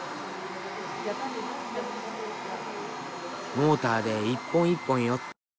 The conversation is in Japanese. モーターで一本一本よって。